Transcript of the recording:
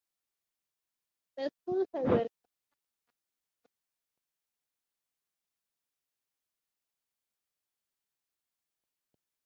The school has an exchange-based relationship with Western Reserve Academy, an American prep school.